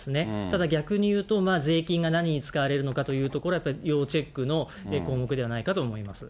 ただ逆に言うと、税金が何に使われるのかというところはこれはやっぱり、要チェックの項目ではないかと思います。